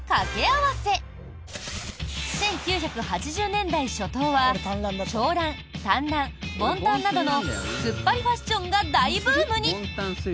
１９８０年代初頭は長ラン、短ラン、ボンタンなどのツッパリファッションが大ブームに！